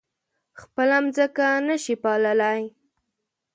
خپله ځمکه نه شي پاللی.